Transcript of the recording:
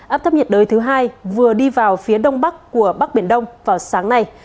áp thấp nhiệt đới thứ hai vừa đi vào phía đông bắc của bắc biển đông vào sáng nay